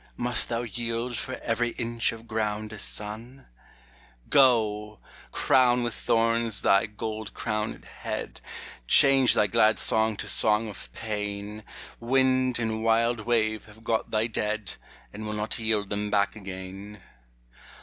must thou yield For every inch of ground a son ? Go ! crown with thorns thy gold crowned head, Change thy glad song to song of pain ; Wind and wild wave have got thy dead, And will not yield them back again.